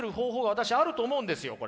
私あると思うんですよこれ。